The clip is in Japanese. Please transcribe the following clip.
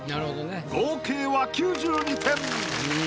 合計は９２点！